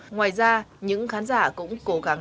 ngoài ra những khán giả cũng cố gắng